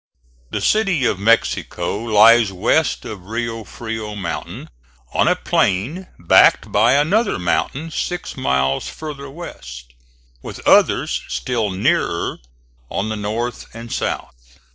The City of Mexico lies west of Rio Frio mountain, on a plain backed by another mountain six miles farther west, with others still nearer on the north and south.